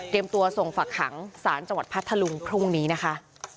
เตรียมตัวส่งฝักขังสารจังหวัดพระธรรมพรุ่งนี้นะคะ